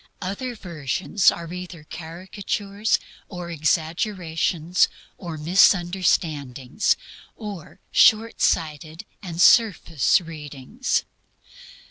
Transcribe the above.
Other versions are either caricatures, or exaggerations, or misunderstandings, or shortsighted and surface readings.